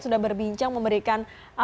sudah berbincang memberikan